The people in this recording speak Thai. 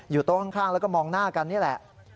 โต๊ะข้างแล้วก็มองหน้ากันนี่แหละ